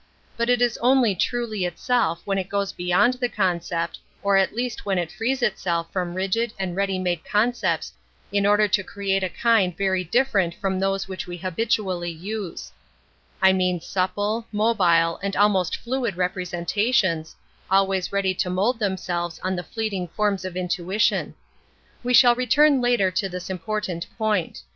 But it is only truly itself when it goes beyond the concept, or at least when it frees itself from rigid and ready made concepts in order to create a kind very dif ferent from those which we habitually use; I mean supple, mobile, and almost fluid representations, always ready to mould themselves on the fleeting forms of intui tion. We shall return later to this import ant point.